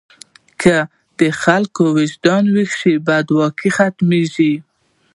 که د خلکو وجدان ویښ شي، بد واک ختمېږي.